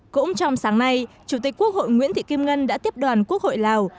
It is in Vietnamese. cũng trong sáng nay chủ tịch quốc hội nguyễn thị kim ngân đã tiếp đoàn quốc hội lào